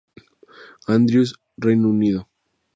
Andrews, Reino Unido.